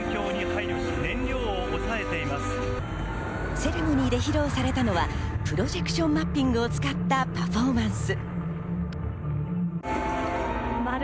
セレモニーで披露されたのは、プロジェクションマッピングを使ったパフォーマンス。